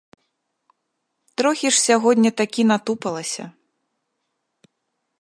Трохі ж сягоння такі натупалася.